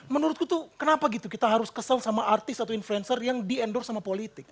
menurutku tuh kenapa gitu kita harus kesel sama artis atau influencer yang di endorse sama politik